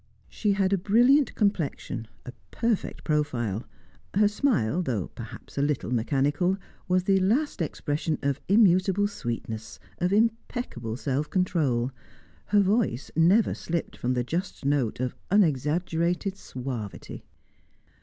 She had a brilliant complexion, a perfect profile; her smile, though perhaps a little mechanical, was the last expression of immutable sweetness, of impeccable self control; her voice never slipped from the just note of unexaggerated suavity.